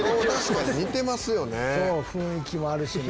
雰囲気もあるしな。